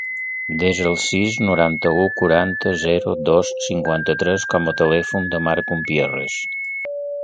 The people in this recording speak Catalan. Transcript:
Desa el sis, noranta-u, quaranta, zero, dos, cinquanta-tres com a telèfon del Mark Umpierrez.